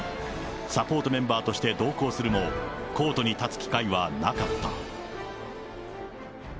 サポートメンバーとして同行するも、コートに立つ機会はなかった。